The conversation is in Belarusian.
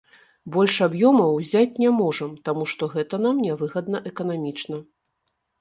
Больш аб'ёмаў ўзяць не можам, таму што гэта нам не выгадна эканамічна.